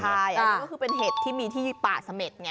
ใช่อันนี้ก็คือเป็นเห็ดที่มีที่ป่าเสม็ดไง